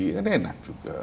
kan enak juga